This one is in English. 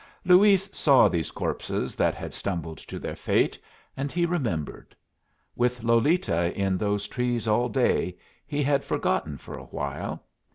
Luis saw these corpses that had stumbled to their fate, and he remembered; with Lolita in those trees all day, he had forgotten for a while.